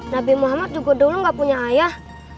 nabi muhammad juga dulu nggak punya ayah